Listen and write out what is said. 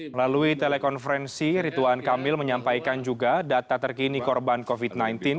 melalui telekonferensi rituan kamil menyampaikan juga data terkini korban covid sembilan belas